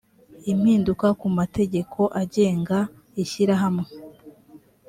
impinduka ku mategeko agenga ishyirahamwe